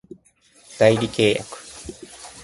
代理契約